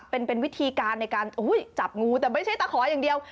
เป็นวิธีการในการจับงูแต่ไม่ใช่ตะขออย่างเดียว